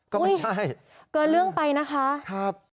ก็ไม่ใช่เกินเรื่องไปนะคะ